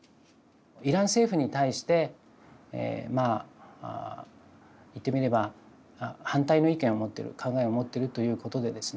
イラン政府に対してまあいってみれば反対の意見を持ってる考えを持ってるということでですね。